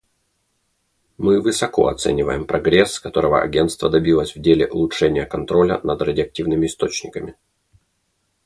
Мы высоко оцениваем прогресс, которого Агентство добилось в деле улучшения контроля над радиоактивными источниками.